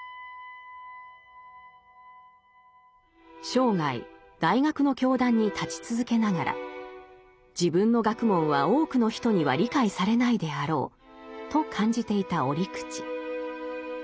生涯大学の教壇に立ち続けながら自分の学問は多くの人には理解されないであろうと感じていた折口。